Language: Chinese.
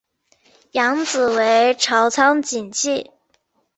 养子为朝仓景纪。